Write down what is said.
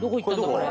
これ。